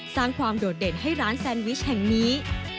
สร้างความโดดเด่นให้ร้านแซนวิชแห่งนี้